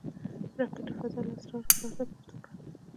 راکټ د فضا له اسرارو پرده پورته کړه